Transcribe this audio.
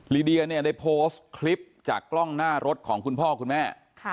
ลีเดียเนี่ยได้โพสต์คลิปจากกล้องหน้ารถของคุณพ่อคุณแม่